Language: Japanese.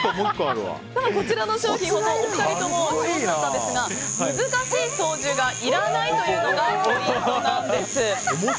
こちらの商品お二人とも上手だったんですが難しい操縦がいらないというのがポイントなんです。